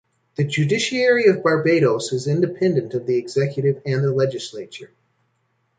The judiciary of Barbados is independent of the executive and the legislature.